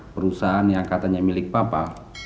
perusahaan yang katanya milik papa